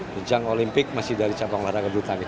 pinjang olimpik masih dari sampel olahraga bulu tangkis